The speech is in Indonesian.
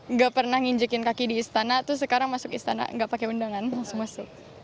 nggak pernah nginjekin kaki di istana terus sekarang masuk istana nggak pakai undangan langsung masuk